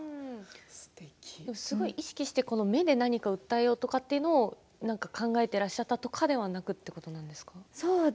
すごい意識して目で何かを訴えようというのは考えてらっしゃったとかではなくてなんですか？